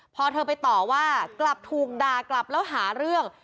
พอเธอไปต่อว่ากลับถูกด่ากลับแล้วหาเรื่อง